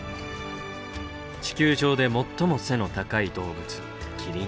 地球上で最も背の高い動物キリン。